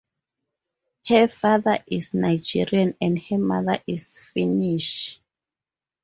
Her father is Nigerian and her mother is Finnish.